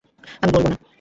আমি বলবো না।